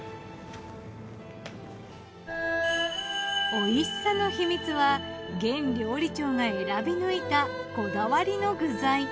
おいしさの秘密は阮料理長が選び抜いたこだわりの具材。